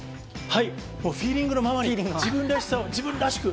フィーリングのままに、自分らしく。